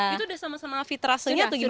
itu udah sama sama fitrasenya atau gimana